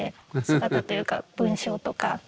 姿というか文章とか。